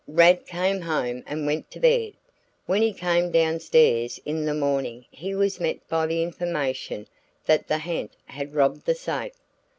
Rad came home and went to bed. When he came down stairs in the morning he was met by the information that the ha'nt had robbed the safe.